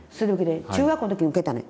中学校の時に受けたのよ。